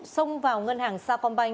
xông vào ngân hàng sa phong banh